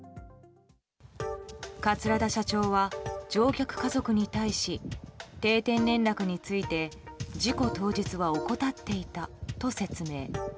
桂田社長は乗客家族に対し定点連絡について事故当日は怠っていたと説明。